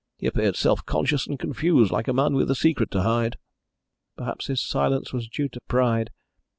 He appeared self conscious and confused, like a man with a secret to hide." "Perhaps his silence was due to pride.